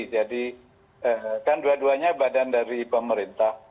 jadi kan dua duanya badan dari pemerintah